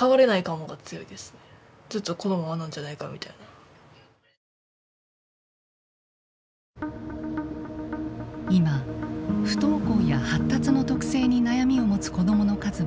今不登校や発達の特性に悩みを持つ子どもの数は全国的に増えています。